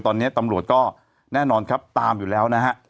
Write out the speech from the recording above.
ตอนนี้ตำรวจก็แน่นอนครับตามอยู่แล้วนะฮะ